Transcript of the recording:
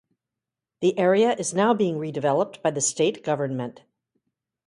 The area is now being redeveloped by the state government.